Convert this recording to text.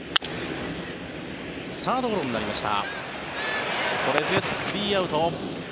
サードゴロになりました。